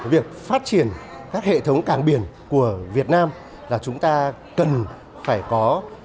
việc phát triển các hệ thống cảng biển của việt nam là chúng ta cần phải có